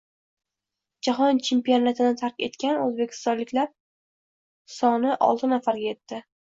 Jahon chempionatini tark etgan o‘zbekistonliklar sonioltinafarga yetdi